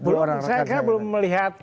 dua orang rakyatnya saya kan belum melihat